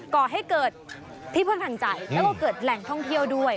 ก่อให้เกิดที่พึ่งทางใจแล้วก็เกิดแหล่งท่องเที่ยวด้วย